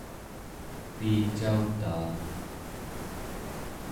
piicautaa